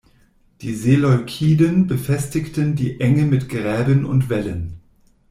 Die Seleukiden befestigten die Enge mit Gräben und Wällen.